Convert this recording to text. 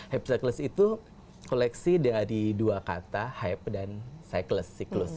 hype cycles itu koleksi dari dua kata hype dan cycles siklus